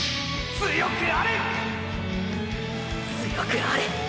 強くあれ！！